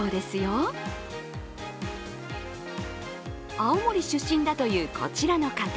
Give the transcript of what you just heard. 青森出身だというこちらの方。